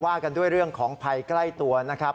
กันด้วยเรื่องของภัยใกล้ตัวนะครับ